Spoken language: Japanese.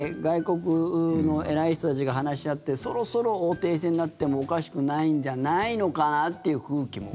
もう今、色んな外国の偉い人たちが話し合ってそろそろ停戦になってもおかしくないんじゃないのかなっていう空気も。